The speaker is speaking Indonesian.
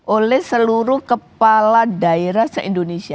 oleh seluruh kepala daerah se indonesia